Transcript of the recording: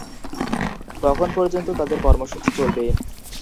কখন পর্যন্ত তাঁদের কর্মসূচি চলবে?